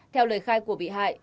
theo lời khai của bị hại